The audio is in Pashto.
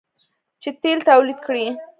چې تیل تولید کړي.